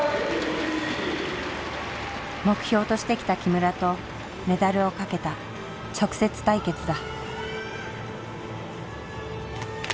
目標としてきた木村とメダルをかけた直接対決だ。